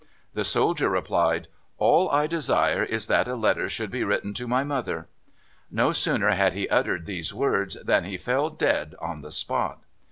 The soldier replied, "All I desire is that a letter should be written to my mother." No sooner had he uttered these words than he fell dead on the spot.